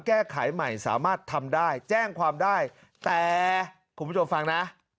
แก้ไขใหม่สามารถทำได้แจ้งความได้แต่คุณผู้ชมฟังนะ